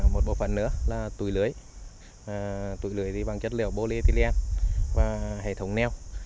một bộ phần nữa là tùy lưới tùy lưới thì bằng chất liệu polyethylene và hệ thống neo